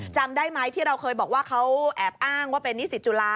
จำได้ไหมที่เราเคยบอกว่าเขาแอบอ้างว่าเป็นนิสิตจุฬา